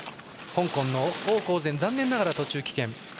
香港の翁厚全残念ながら途中棄権。